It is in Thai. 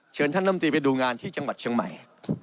เชิญท่านลำตีไปดูงานที่จังหวัดเชียงใหม่